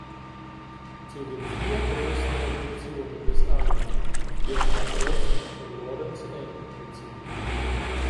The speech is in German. Zu den "„vier großen Revolutionen des Anime“" wird "Macross" von Lawrence Eng gezählt.